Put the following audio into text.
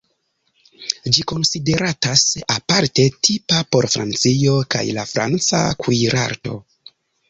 Ĝi konsideratas aparte tipa por Francio kaj la franca kuirarto.